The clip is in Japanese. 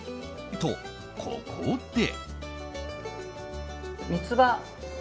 と、ここで。